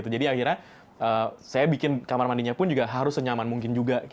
jadi akhirnya saya bikin kamar mandinya pun harus senyaman mungkin juga